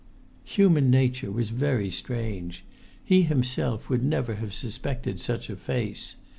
[Pg 31]Human nature was very strange: he himself would never have suspected such a face.